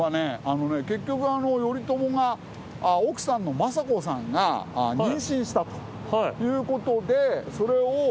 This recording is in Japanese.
あのね結局頼朝が奥さんの政子さんが妊娠したということで。